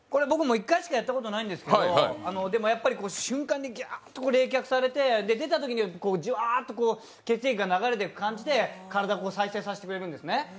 何回かしかやったことないんですけど、瞬間に冷却されて出たときにはじわっと血流が流れる感じで体を再生させてくれるんですね。